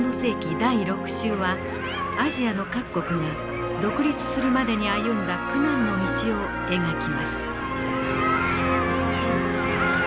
第６集はアジアの各国が独立するまでに歩んだ苦難の道を描きます。